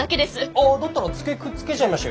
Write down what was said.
ああだったら机くっつけちゃいましょうよ。